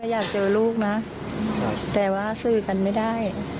อยากเจอลูกนะแต่ว่าสื่อกันไม่ได้